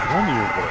これ。